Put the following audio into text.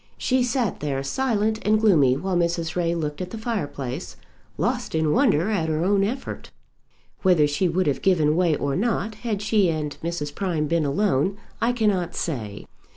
She sat there silent and gloomy, while Mrs. Ray looked at the fireplace, lost in wonder at her own effort. Whether she would have given way or not, had she and Mrs. Prime been alone, I cannot say.